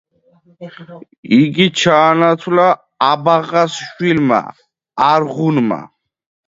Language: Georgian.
იგი ჩაანაცვლა აბაღას შვილმა, არღუნმა.